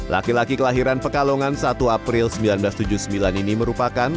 laki laki kelahiran pekalongan satu april seribu sembilan ratus tujuh puluh sembilan ini merupakan